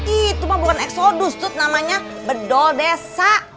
itu mah bukan eksodus tuh namanya bedol desa